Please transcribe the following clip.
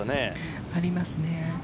ありますね。